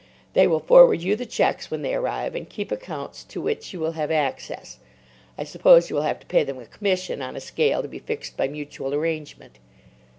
They will forward you the cheques when they arrive, and keep accounts to which you will have access. I suppose you will have to pay them a commission on a scale to be fixed by mutual arrangement.